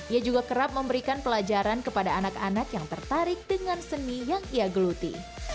ia juga kerap memberikan pelajaran kepada anak anak yang tertarik dengan seni yang ia geluti